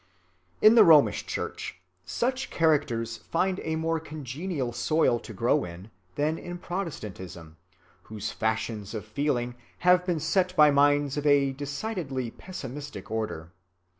In the Romish Church such characters find a more congenial soil to grow in than in Protestantism, whose fashions of feeling have been set by minds of a decidedly pessimistic order.